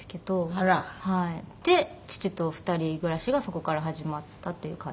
あら！で父と２人暮らしがそこから始まったっていう感じです。